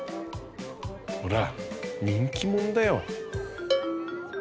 ほら人気者だよ。